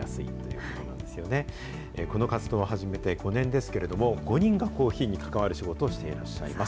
この活動を始めて５年ですけれども、５人がコーヒーに関わる仕事をしていらっしゃいます。